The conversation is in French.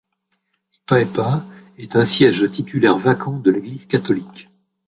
Hypaepa est un siège titulaire vacant de l'Église catholique.